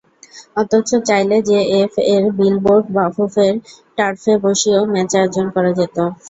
অথচ চাইলে জেএফএর billboard বাফুফের টার্ফে বসিয়েও match আয়োজন করা যেত।